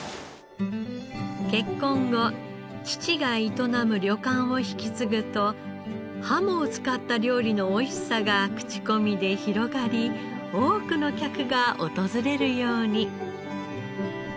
結婚後父が営む旅館を引き継ぐとハモを使った料理のおいしさが口コミで広がり多くの客が訪れるように。